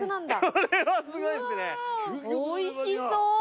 おいしそう！